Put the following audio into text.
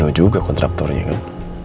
nino juga kontraktornya kan